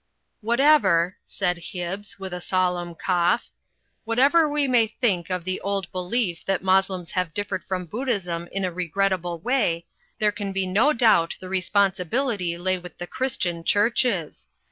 'Whatever," said Hibbs, with a solemn cough, "whatever we may think of the old belief that Mos lems have differed from Buddhism in a regrettable way, there can be no doubt the responsibility lay with the C3iristian Chiu ches.